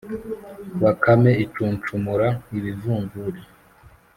bakame icunshumura ibivumvuli,